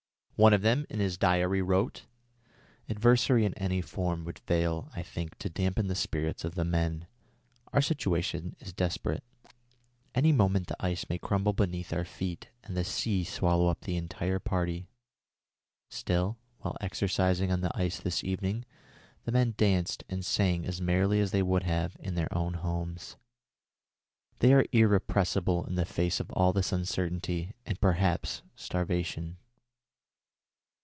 One of them, in his diary, wrote: "Adversity in any form would fail, I think, to dampen the spirits of the men. Our situation is desperate. Any moment the ice may crumble beneath our feet and the sea swallow up the entire party. Still, while exercising on the ice this evening, the men danced and sang as merrily as they would have done in their own homes. They are irrepressible in the face of all this uncertainty and perhaps starvation."